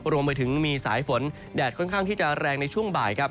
รวมไปถึงมีสายฝนแดดค่อนข้างที่จะแรงในช่วงบ่ายครับ